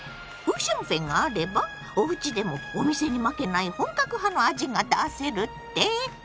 「五香粉があればおうちでもお店に負けない本格派の味が出せる」って⁉